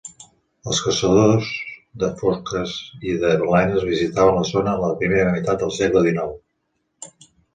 Els caçadors de foques i de balenes visitaven la zona a la primera meitat del segle XIX.